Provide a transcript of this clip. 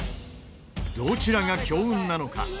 どちらが強運なのか？